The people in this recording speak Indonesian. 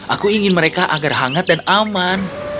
aku ingin mereka agar hangat dan aman